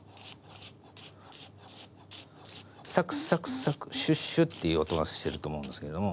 「サクサクサクシュッシュッ」っていう音がしてると思うんですけども。